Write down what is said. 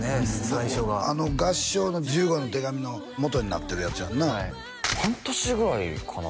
最初が合唱の十五の手紙のもとになってるやつやんな半年ぐらいかな